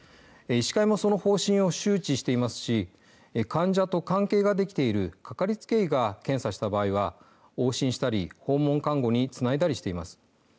医師会もその方針を周知していますし患者と関係ができているかかりつけ医が検査した場合は往診したり訪問看護につないだりしています。